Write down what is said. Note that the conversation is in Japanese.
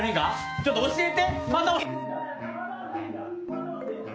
ちょっと教えて。